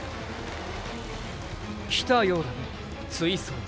来たようだね追走が。